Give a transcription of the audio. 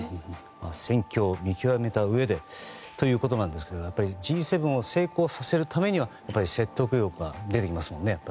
戦況を見極めたうえでということなんですがＧ７を成功させるためには説得力が出てきますもんね。